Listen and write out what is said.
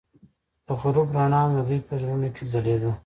د غروب رڼا هم د دوی په زړونو کې ځلېده.